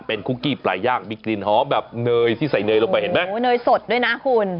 เป็นคุกกี้ปลาย่างมีกลิ่นหอมแบบเนยที่ใส่เนยลงไปเห็นไหมโอ้โหเนยสดด้วยนะคุณ